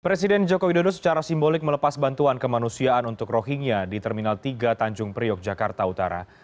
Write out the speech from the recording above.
presiden joko widodo secara simbolik melepas bantuan kemanusiaan untuk rohingya di terminal tiga tanjung priok jakarta utara